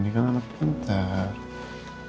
dia kan anak pentas